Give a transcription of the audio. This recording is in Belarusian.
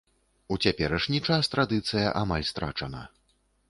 У цяперашні час традыцыя амаль страчана.